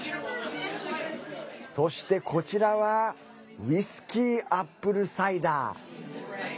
そして、こちらはウイスキー・アップル・サイダー。